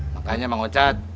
makanya bang wajad